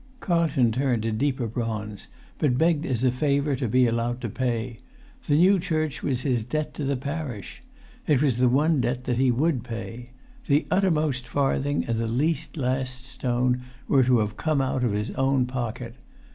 Carlton turned a deeper bronze, but begged as a favour to be allowed to pay. The new church was his debt to the parish. It was the one debt that he would pay. The uttermost farthing and the least last stone were to have come out of his own pocket.